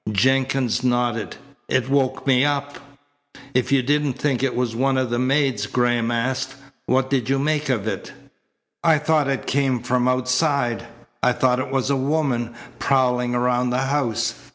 Jenkins nodded. "It woke me up." "If you didn't think it was one of the maids," Graham asked, "what did you make of it?" "I thought it came from outside. I thought it was a woman prowling around the house.